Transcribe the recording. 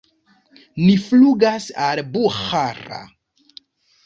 Ni flugas al Buĥara.